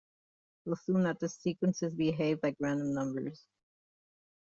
Assume that the sequences behave like random numbers.